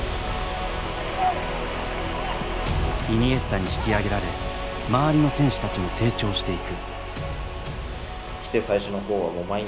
イニエスタに引き上げられ周りの選手たちも成長していく。